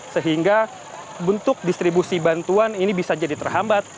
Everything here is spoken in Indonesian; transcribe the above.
sehingga bentuk distribusi bantuan ini bisa jadi terhambat